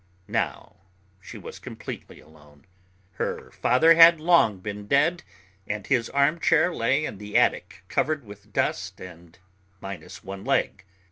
Now she was completely alone. Her father had long been dead, and his armchair lay in the attic covered with dust and minus one leg.